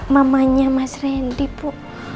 mamanya mas randy bu